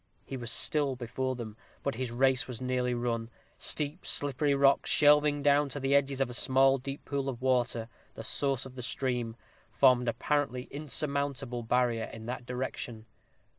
He was still before them, but his race was nearly run. Steep, slippery rocks, shelving down to the edges of a small, deep pool of water, the source of the stream, formed an apparently insurmountable barrier in that direction.